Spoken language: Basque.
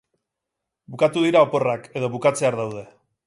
Bukatu dira oporrak, edo bukatzear daude.